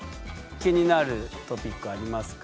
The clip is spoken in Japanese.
気になるトピックありますか？